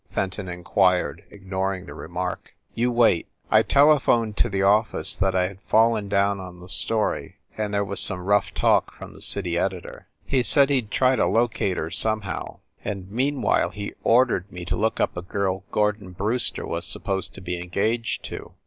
Fenton inquired, ignoring the remark. "You wait. I telephoned to the office that I had fallen down on the story, and there was some rough talk from the city editor. He said he d try to locate her somehow, and meanwhile he ordered me to look up a girl Gordon Brewster was supposed to be en gaged to.